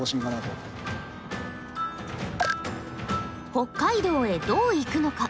北海道へどう行くのか。